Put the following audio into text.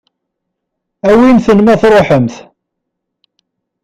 Awimt-ten ma tṛuḥemt.